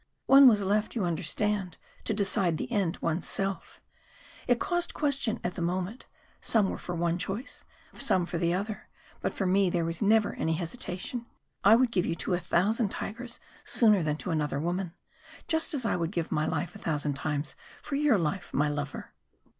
One was left, you understand, to decide the end one's self. It caused question at the moment; some were for one choice, some for the other but for me there was never any hesitation. I would give you to a thousand tigers sooner than to another woman just as I would give my life a thousand times for your life, my lover."